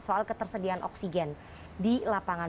soal ketersediaan oksigen di lapangan